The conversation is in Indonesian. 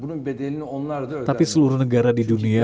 kami akan berhasil mendapat permasalahan di dunia